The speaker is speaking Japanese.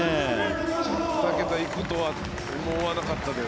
２桁行くとは思わなかったです。